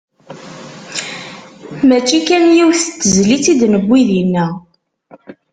Mačči kan yiwet n tezlit i d-newwi dinna.